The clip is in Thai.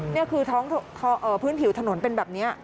นี่คือท้องพื้นผิวถนนเป็นแบบนี้